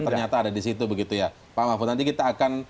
ternyata ada di situ pak mahfuz nanti kita akan